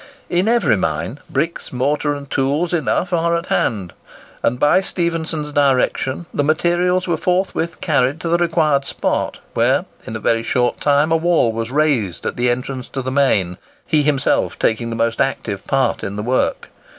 In every mine, bricks, mortar, and tools enough are at hand, and by Stephenson's direction the materials were forthwith carried to the required spot, where, in a very short time a wall was raised at the entrance to the main, he himself taking the most active part in the work.